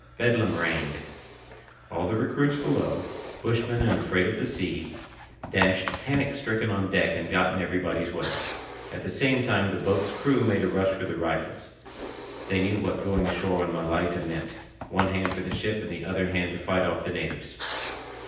Bedlam reigned. All the recruits below, bushmen and afraid of the sea, dashed panic stricken on deck and got in everybody's way. At the same time the boat's crew made a rush for the rifles. They knew what going ashore on Malaita meant—one hand for the ship and the other hand to fight off the natives.